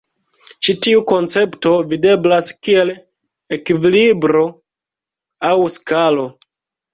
Ĉi tiu koncepto videblas kiel ekvilibro aŭ skalo.